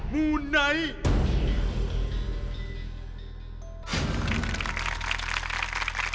มูไนท์